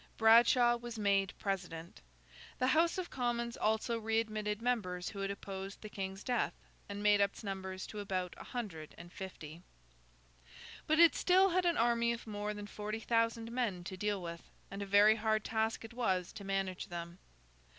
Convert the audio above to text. Bradshaw was made president. The House of Commons also re admitted members who had opposed the King's death, and made up its numbers to about a hundred and fifty. But, it still had an army of more than forty thousand men to deal with, and a very hard task it was to manage them.